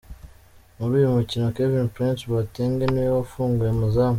Muri uyu mukino Kevin-Prince Boateng niwe wafunguye amazamu.